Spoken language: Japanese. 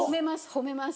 褒めます